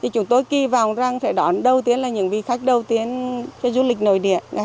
chúng tôi kỳ vọng rằng sẽ đón đầu tiên là những vị khách đầu tiên cho du lịch nội địa